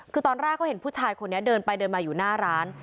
คือตอนแรกเขาเห็นผู้ชายคนนี้เดินไปเดินมาอยู่หน้าร้าน